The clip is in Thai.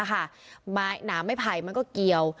หนามไม่ผ่ายมันก็เกียว